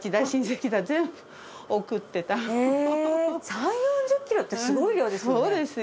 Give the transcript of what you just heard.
３０４０ｋｇってすごい量ですよね？